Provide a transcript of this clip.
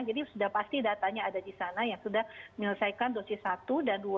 sudah pasti datanya ada di sana yang sudah menyelesaikan dosis satu dan dua